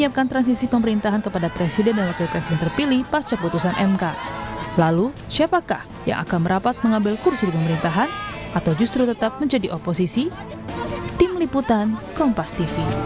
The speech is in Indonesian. iya tadi menyampaikan kepada kami mereka ikut